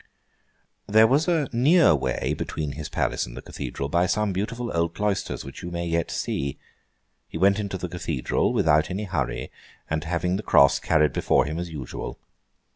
There was a near way between his Palace and the Cathedral, by some beautiful old cloisters which you may yet see. He went into the Cathedral, without any hurry, and having the Cross carried before him as usual.